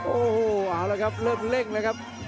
โอ้โหเอาละครับเริ่มเร่งแล้วครับ